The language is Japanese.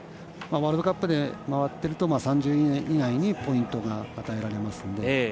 ワールドカップで回ってると３０位以内にポイントが与えられますので。